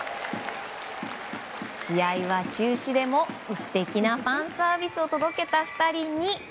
試合は中止でも、素敵なファンサービスを届けた２人に。